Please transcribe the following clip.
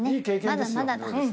まだまだだ。